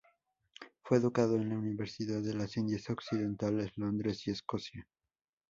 Fue educado en la Universidad de las Indias Occidentales, Londres y Escocia.